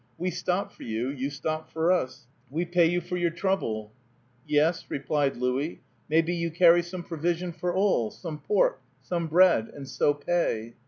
We stop for you, you stop for us. We pay you for your trouble." "Ye'," replied Louis, "may be you carry some provision for all, some pork, some bread, and so pay."